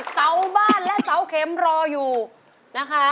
เสาบ้านและเสาเข็มรออยู่นะคะ